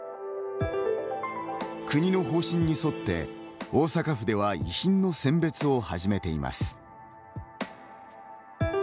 国の方針に沿って、大阪府では遺品の選別を始めています。